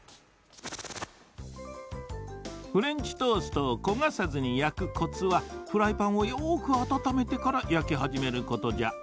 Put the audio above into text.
フレンチトーストをこがさずにやくコツはフライパンをよくあたためてからやきはじめることじゃ。